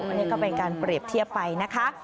อันนี้ก็เป็นการเปรียบเทียบไปนะคะ